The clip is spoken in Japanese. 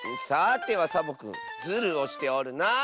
さてはサボくんズルをしておるな！